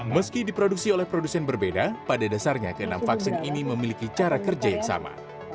meski diproduksi oleh produsen berbeda pada dasarnya keenam vaksin ini memiliki cara kerja yang sama